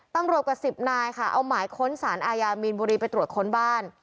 กว่าสิบนายค่ะเอาหมายค้นสารอาญามีนบุรีไปตรวจค้นบ้าน